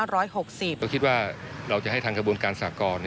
ก็คิดว่าเราจะให้ทางกระบวนการสากร